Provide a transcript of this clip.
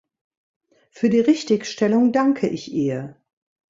Für die Richtigstellung danke ich ihr.